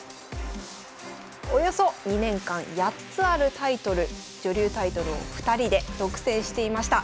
およそ２年間８つあるタイトル女流タイトルを２人で独占していました。